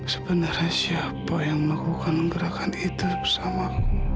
sebenarnya siapa yang melakukan gerakan itu bersama